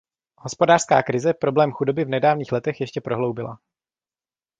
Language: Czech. Hospodářská krize problém chudoby v nedávných letech ještě prohloubila.